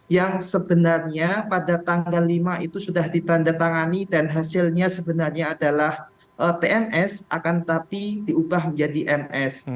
yang sebenarnya pada tanggal lima itu sudah ditandatangani dan hasilnya sebenarnya adalah tns akan tetapi diubah menjadi ms